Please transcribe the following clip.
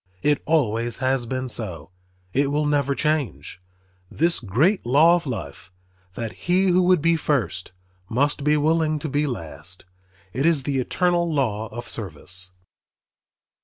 It always has been so, it will never change, this great law of life, that he who would be first must be willing to be last. It is the eternal law of service.